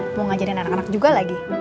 mau ngajarin anak anak juga lagi